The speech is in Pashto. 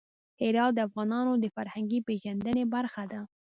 هرات د افغانانو د فرهنګي پیژندنې برخه ده.